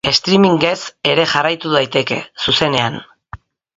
Streamingez ere jarraitu daiteke, zuzenean.